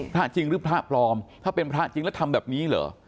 จริงหรือพระปลอมถ้าเป็นพระจริงแล้วทำแบบนี้เหรอ